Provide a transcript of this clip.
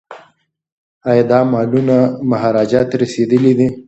ایا دا مالونه مهاراجا ته رسیدلي دي؟